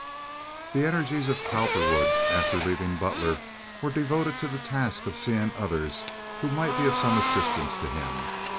The energies of Cowperwood after leaving Butler were devoted to the task of seeing others who might be of some assistance to him.